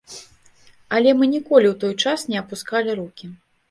Але мы ніколі ў той час не апускалі рукі.